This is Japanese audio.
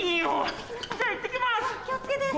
じゃあいってきます。